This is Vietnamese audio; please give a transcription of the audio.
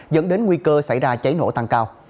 dẫn đến nguy cơ xảy ra cháy nổ tăng cao